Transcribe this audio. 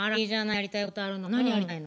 やりたいことがあるの。